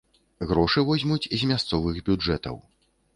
Грошы возьмуць з мясцовых бюджэтаў.